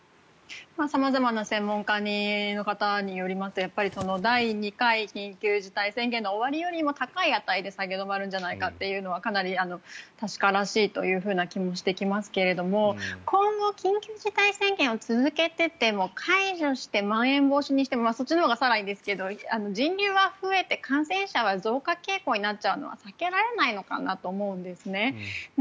様々な専門家の方によりますとやっぱり第２回緊急事態宣言の終わりよりも高い値で下げ止まるんじゃないかというのはかなり確からしいという気もしてきますが今後、緊急事態宣言を続けていても解除してまん延防止にしても人流は増えて感染者が増加傾向になっちゃうのは避けられないと思うんですね。